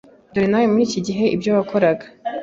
Dore nawe muri cya gihe ibyo wakoraga